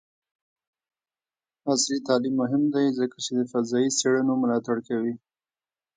عصري تعلیم مهم دی ځکه چې د فضايي څیړنو ملاتړ کوي.